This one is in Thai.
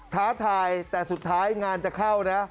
ท้าทายแต่สุดท้ายงานจะเข้านะ